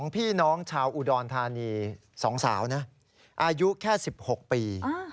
พี่น้องชาวอุดรธานี๒สาวนะอายุแค่๑๖ปี